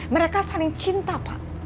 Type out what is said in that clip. mereka saling cinta pak